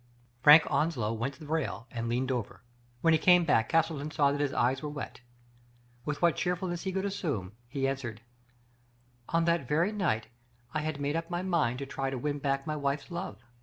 Frank Onslow went to the rail, and leaned over. When he came back Castleton saw that his eyes were wet. With what cheerfulness he could assume, he answered :" On that very night I had made up my mind to try to win back my wife's love.